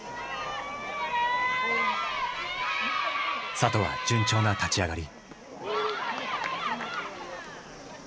里は順調な立ち上がり。